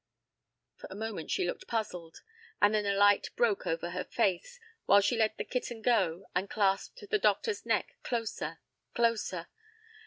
For a moment she looked puzzled, and then a light broke over her face, while she let the kitten go, and clasped the doctor's neck closer, closer.